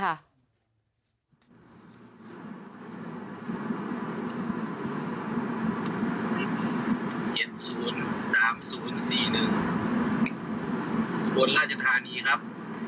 บนราชธานีครับ